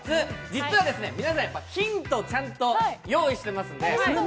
実は皆さん、ヒントを用意してますので。